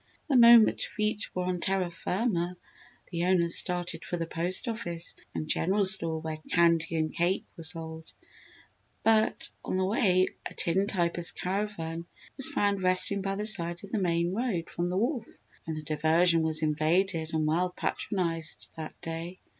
The moment feet were on terra firma, the owners started for the post office and general store where candy and cake were sold; but, on the way a tin typer's caravan was found resting by the side of the main road from the wharf, and the diversion was invaded and well patronised that day.